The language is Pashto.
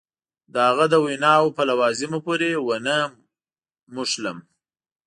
د هغه د ویناوو په لوازمو پورې ونه نښلم.